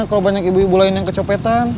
kalau banyak ibu ibu lain yang kecopetan